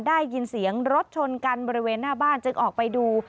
ได้ยินเสียงรถชนกันบริเวณหน้าบ้านจึงออกไปดู